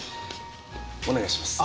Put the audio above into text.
お願いします。